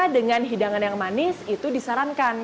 dengan hidangan yang manis itu disarankan